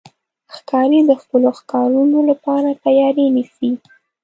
ښکاري د خپلو ښکارونو لپاره تیاری نیسي.